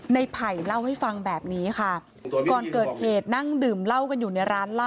ไผ่เล่าให้ฟังแบบนี้ค่ะก่อนเกิดเหตุนั่งดื่มเหล้ากันอยู่ในร้านเหล้า